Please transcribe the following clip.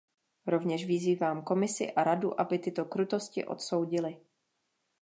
Rovněž vyzývám Komisi a Radu, aby tyto krutosti odsoudily.